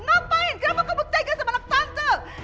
ngapain kenapa kamu tegas sama anak tante